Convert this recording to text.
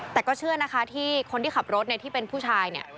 แต่ก็เชื่อนะคะที่คนที่ขับรถที่เป็นผู้ชายเนี่ย